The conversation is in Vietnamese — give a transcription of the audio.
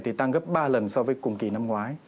thì tăng gấp ba lần so với cùng kỳ năm ngoái